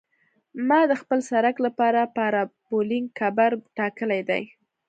ما د خپل سرک لپاره پارابولیک کمبر ټاکلی دی